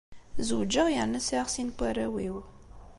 Zewǧeɣ yerna sɛiɣ sin n warraw-iw.